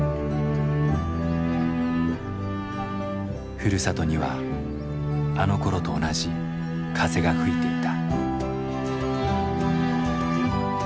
ふるさとにはあのころと同じ風が吹いていた。